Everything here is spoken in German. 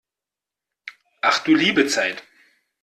Ach du liebe Zeit!